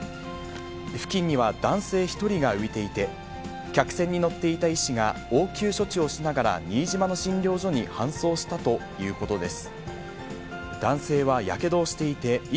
付近には男性１人が浮いていて、客船に乗っていた医師が応急処置をしながら、新島の診療所に搬送したということです。